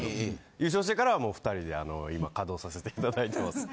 優勝してからはもう２人で今稼働させていただいてます。